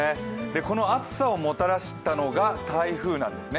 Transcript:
この暑さをもたらしたのが台風なんですね。